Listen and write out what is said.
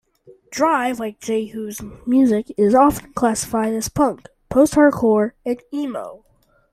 Drive Like Jehu's music is often classified as punk, post-hardcore, and emo.